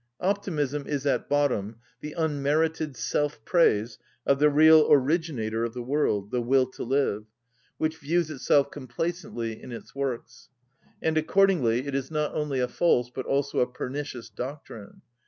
Optimism is at bottom the unmerited self‐praise of the real originator of the world, the will to live, which views itself complacently in its works; and accordingly it is not only a false, but also a pernicious doctrine.